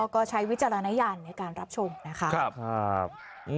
ก็ใช้วิจารณญาณในการรับชมนะคะ